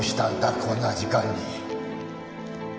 こんな時間に。